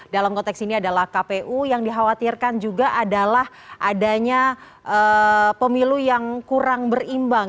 dalam konteks ini adalah kpu yang dikhawatirkan juga adalah adanya pemilu yang kurang berimbang